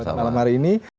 terima kasih pak ferry